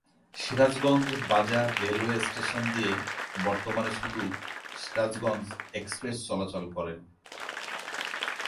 Sirajganj Bazar railway station দিয়ে বর্তমানে শুধু সিরাজগঞ্জ এক্সপ্রেস চলাচল করে।